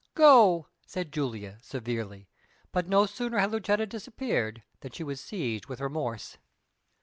"Go!" said Julia severely; but no sooner had Lucetta disappeared than she was seized with remorse.